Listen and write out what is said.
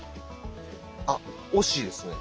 あっ惜しいですね。